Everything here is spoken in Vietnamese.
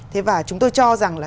thế và chúng tôi cho rằng là